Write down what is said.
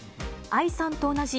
愛さんと同じ、